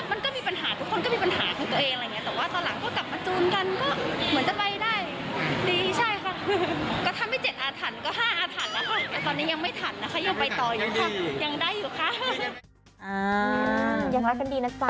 อ่ายังรักกันดีนะสาน